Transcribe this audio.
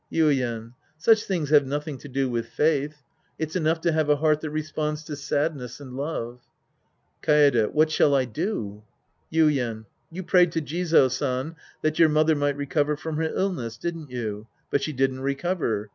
Yuien. Such things have nothing to do with faith. It's enough to have a heart that responds to sadness and love. Kaede. What shall I do ? Ytden. You prayed to Jizo San that your mother might recover from her illness, didn't you ? But she didn't recover.